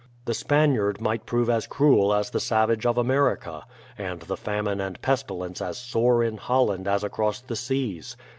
The Spaniard might prove as cruel as the savage of America, and the famine and pestilence as sore in Holland as across the seas.